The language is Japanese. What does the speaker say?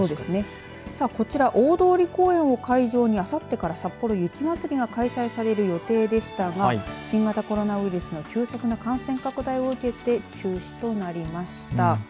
こちら、大通公園を会場にあさってからさっぽろ雪まつりが開催される予定でしたが新型コロナウイルスの急速な感染拡大を受けて中止となりました。